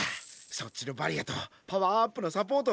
そっちのバリアとパワーアップのサポート！